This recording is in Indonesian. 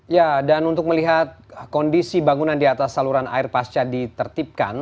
ya dan untuk melihat kondisi bangunan di atas saluran air pasca ditertipkan